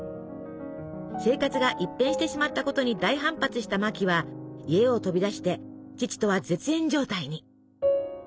生活が一変してしまったことに大反発したマキは家を飛び出して父とは絶縁状態に。